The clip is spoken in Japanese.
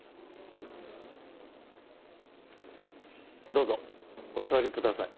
どうぞお座りください。